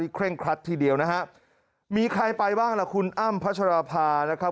เร่งครัดทีเดียวนะฮะมีใครไปบ้างล่ะคุณอ้ำพัชราภานะครับ